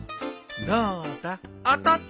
どうだ当たってたか？